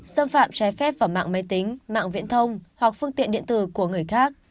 xâm phạm trái phép vào mạng máy tính mạng viễn thông hoặc phương tiện điện tử của người khác